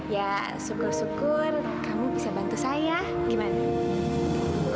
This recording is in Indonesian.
ya syukur syukur kamu bisa bantu saya gimana